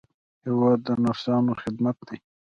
هېواد د نرسانو خدمت دی.